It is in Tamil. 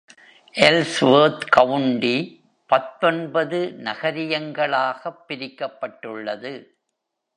Ellsworth கவுன்டி பத்தொன்பது நகரியங்களாகப் பிரிக்கப்பட்டுள்ளது.